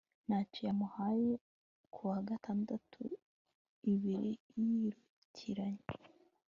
ntacyo yamuhaye kuwagatandatu ibiri yikurikiranya